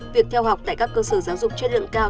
việc theo học tại các cơ sở giáo dục chất lượng cao